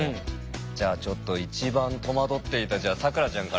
じゃあちょっと一番戸惑っていた咲良ちゃんから。